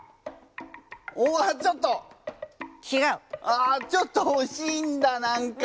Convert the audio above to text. あちょっと惜しいんだ何か。